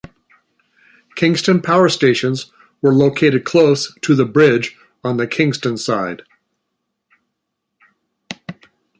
Kingston power stations were located close to the bridge on the Kingston side.